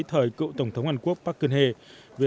thời cựu tổng thống hàn quốc park geun hye